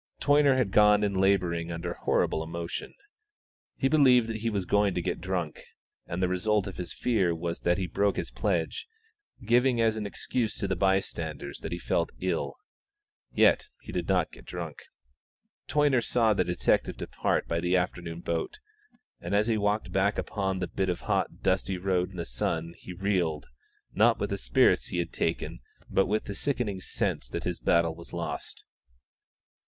Toyner had gone in labouring under horrible emotion. He believed that he was going to get drunk, and the result of his fear was that he broke his pledge, giving as an excuse to the by standers that he felt ill. Yet he did not get drunk. Toyner saw the detective depart by the afternoon boat, and as he walked back upon the bit of hot dusty road in the sun he reeled, not with the spirits he had taken, but with the sickening sense that his battle was lost.